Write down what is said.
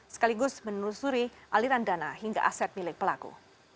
sekaligus menelusuri aliran dana hingga aset milik pelaku